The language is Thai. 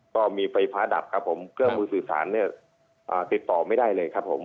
ก็มีไฟฟ้าดับครับผมเครื่องมือสื่อสารเนี่ยติดต่อไม่ได้เลยครับผม